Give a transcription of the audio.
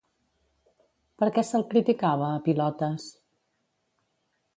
Per què se'l criticava, a Pilotes?